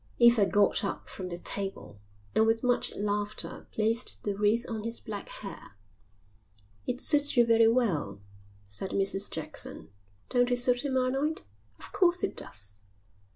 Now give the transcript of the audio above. Eva got up from the table and with much laughter placed the wreath on his black hair. "It suits you very well," said Mrs Jackson. "Don't it suit him, Arnold?" "Of course it does."